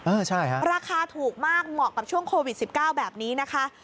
ราคาถูกมากเหมาะกับช่วงโควิด๑๙แบบนี้นะคะ